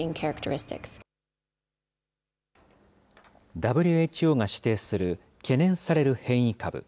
ＷＨＯが指定する懸念される変異株。